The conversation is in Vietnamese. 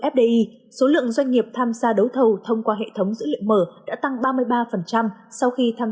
fdi số lượng doanh nghiệp tham gia đấu thầu thông qua hệ thống dữ liệu mở đã tăng ba mươi ba sau khi tham